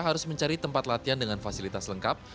harus mencari tempat latihan dengan fasilitas lengkap